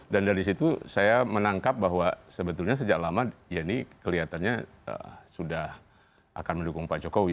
dan dari situ saya menangkap bahwa sebetulnya sejak lama yeni kelihatannya sudah akan mendukung pak jokowi